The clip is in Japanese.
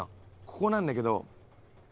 ここなんだけど。